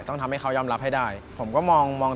ต้องทำให้เขายอมรับให้ได้ผมก็มองมอง